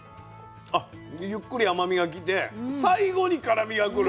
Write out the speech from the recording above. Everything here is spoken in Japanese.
あっでゆっくり甘みがきて最後に辛みがくる。